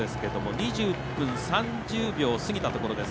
２０分３０秒を過ぎたところです。